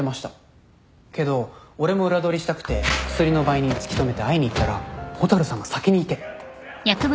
けど俺も裏取りしたくてクスリの売人突き止めて会いに行ったら蛍さんが先にいて。